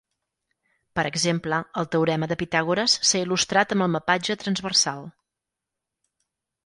Per exemple, el teorema de Pitàgores s'ha il·lustrat amb el mapatge transversal.